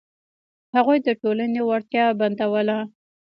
هغوی د ټولنې وړتیا بندوله.